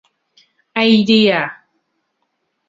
ไอเดีย